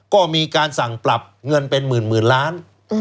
ก็มีการสั่งปรับเงินเป็นหมื่นล้าน